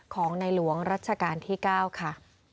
ของในหลวงรัชกาลที่๙ค่ะ